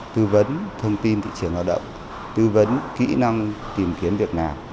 tư vấn thông tin thị trường lao động tư vấn kỹ năng tìm kiếm việc làm